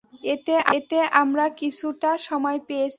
এতে আমরা কিছুটা সময় পেয়েছি।